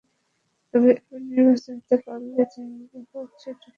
তবে এবার নির্বাচিত হতে পারলে যেভাবেই হোক সেতুটি করার চেষ্টা করব।